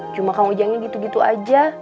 cuma kang ujangnya gitu gitu aja